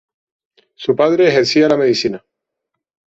Su padre ejercía la medicina.